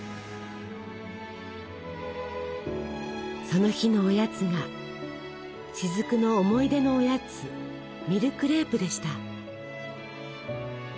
その日のおやつが雫の思い出のおやつミルクレープでした。